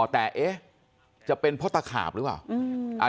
แต่จะเป็นเพราะตาขาบหรือว่า